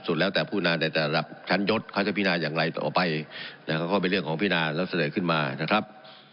แล้วแต่ผู้นาในแต่ระดับชั้นยศเขาจะพินาอย่างไรต่อไปนะครับก็เป็นเรื่องของพินาแล้วเสนอขึ้นมานะครับ